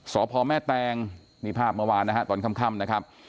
สพแม่แตงนี่ภาพเมื่อวานนะฮะตอนค่ำนะครับ